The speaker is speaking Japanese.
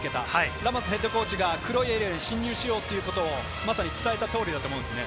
ラマスヘッドコーチが黒いエリアに侵入しようというのを伝えた通りだと思うんですよ。